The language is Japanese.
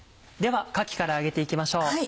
ではかきから揚げて行きましょう。